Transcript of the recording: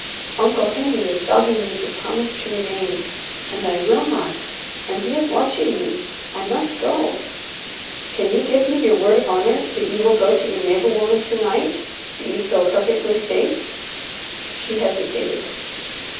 "Uncle Henry is dogging me to promise to remain, and I will not, and he is watching me. I must go " "Can you give me your word of honour that you will go to the neighbour woman to night; that you feel perfectly safe?" She hesitated.